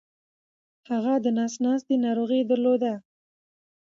هغه دنس ناستې ناروغې درلوده